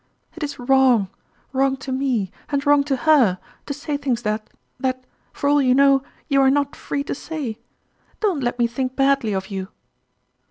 It is wrong wrong to me, and wrong to her to say things that that, for all you know, you are not free to say ! Don't let me think badly of you